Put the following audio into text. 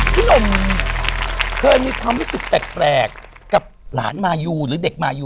พี่หนุ่มเคยมีความรู้สึกแปลกกับหลานมายูหรือเด็กมายู